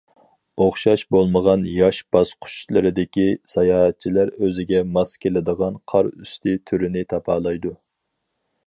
ئوخشاش بولمىغان ياش باسقۇچلىرىدىكى ساياھەتچىلەر ئۆزىگە ماس كېلىدىغان قار ئۈستى تۈرىنى تاپالايدۇ.